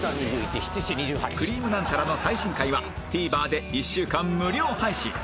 『くりぃむナンタラ』の最新回は ＴＶｅｒ で１週間無料配信